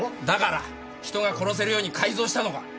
だから人が殺せるように改造したのか？